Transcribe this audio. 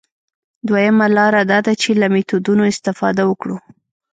دویمه لاره دا ده چې له میتودونو استفاده وکړو.